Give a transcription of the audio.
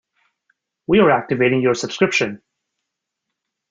We are activating your subscription.